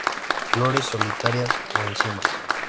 Flores solitarias o en cimas.